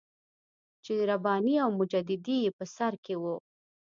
چې رباني او مجددي یې په سر کې وو.